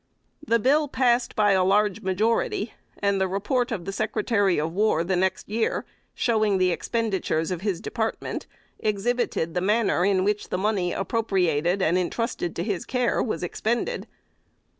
The bill passed by a large majority; and the report of the Secretary of War the next year, showing the expenditures of his department, exhibited the manner in which the money appropriated and entrusted to his care was expended.